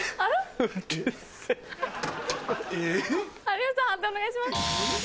判定お願いします。